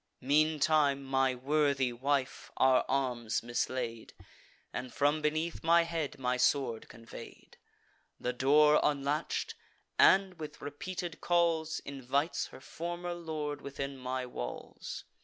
Meantime my worthy wife our arms mislaid, And from beneath my head my sword convey'd; The door unlatch'd, and, with repeated calls, Invites her former lord within my walls.